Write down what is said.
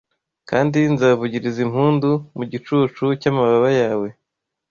Kandi nzavugiriza impundu mu gicucu cy’amababa yawe.